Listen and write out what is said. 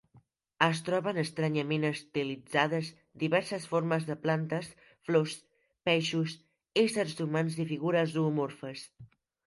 Es troben estranyament estilitzades diverses formes de plantes, flors, peixos, éssers humans i figures zoomorfes.